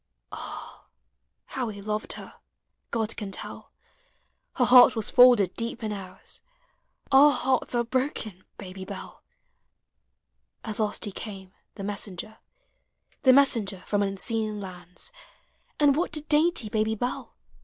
Ah, how we loved her, God can tell; Her heart was folded deep in ours. Our hearts are broken, Baby Bell! POEMS OF HOME. VII. At last he eaine, the messenger, The messenger from unseen lauds: And what did dainty Baby Dell?